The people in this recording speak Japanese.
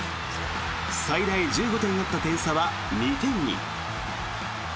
最大１５点あった点差は２点に。